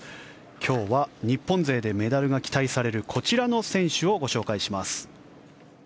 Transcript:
今日は日本勢でメダルが期待されるこちらの選手をご紹介します。